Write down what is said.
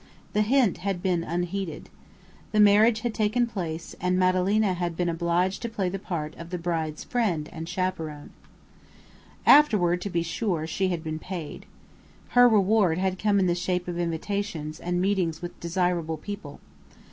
The hint had been unheeded. The marriage had taken place, and Madalena had been obliged to play the part of the bride's friend and chaperon. Afterward, to be sure, she had been paid. Her reward had come in the shape of invitations and meetings with desirable people.